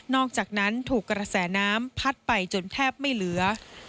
อกจากนั้นถูกกระแสน้ำพัดไปจนแทบไม่เหลือ